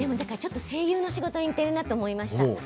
声優の仕事に似ていると思いました